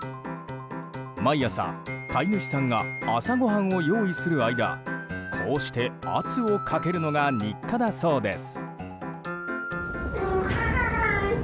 毎朝飼い主さんが朝ご飯を用意する間こうして圧をかけるのが日課だそうです。